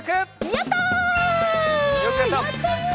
やったね！